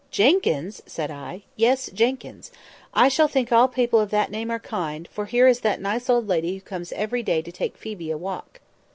"Jenkyns!" said I. "Yes, Jenkyns. I shall think all people of that name are kind; for here is that nice old lady who comes every day to take Phoebe a walk!"